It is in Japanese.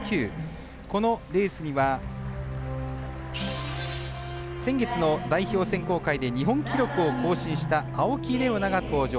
このレースには先月の代表選考会で日本記録を更新した青木玲緒樹が登場。